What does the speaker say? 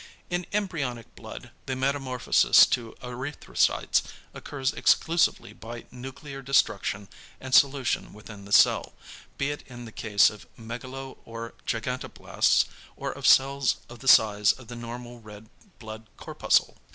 In embryonic blood the metamorphosis to erythrocytes occurs exclusively by nuclear destruction and solution within the cell, be it in the case of megalo or gigantoblasts or of cells of the size of the normal red blood corpuscle.